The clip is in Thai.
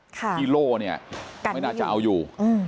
ที่โล่ไม่น่าจะเอาอยู่